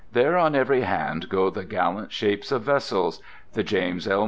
There on every hand go the gallant shapes of vessels—the James L.